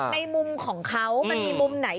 ในมุมของเขามันมีมุมไหน